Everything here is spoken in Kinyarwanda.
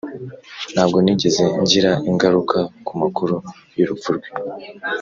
ntabwo nigeze ngira ingaruka ku makuru y'urupfu rwe